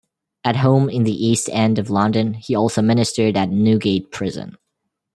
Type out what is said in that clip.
At home in the East End of London he also ministered at Newgate Prison.